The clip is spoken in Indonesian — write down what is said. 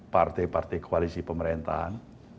partai partai koalisi pemerintahan